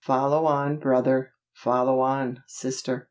Follow on, brother! follow on, sister!